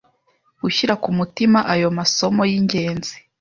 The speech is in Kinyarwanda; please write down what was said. gushyira ku mutima ayo masomo y’ingenzi